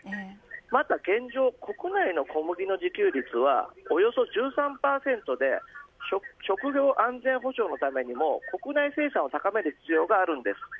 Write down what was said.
また現状、国内の小麦の自給率はおよそ１３％で食料安全保障のためにも国内生産を高める必要があるんです。